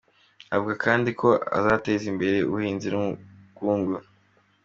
Avuga kandi ko azateza imbere ubuhinzi n’ubukungu.